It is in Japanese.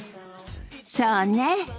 そうね。